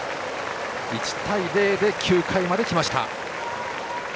１対０で９回まできました。